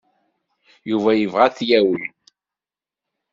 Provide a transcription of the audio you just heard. Yuba yebɣa ad t-yawi.